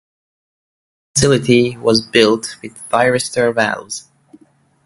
This facility was built with thyristor valves.